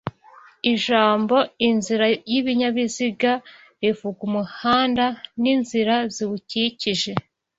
Ijambo inzira y'ibinyabiziga rivuga umuhanda n'inzira ziwukikije